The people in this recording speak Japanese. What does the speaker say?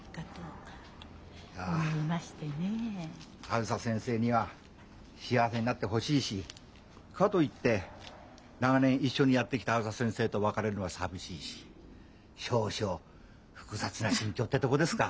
あづさ先生には幸せになってほしいしかと言って長年一緒にやってきたあづさ先生と別れるのは寂しいし少々複雑な心境ってとこですか？